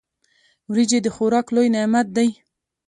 وريجي د خوراک لوی نعمت دی.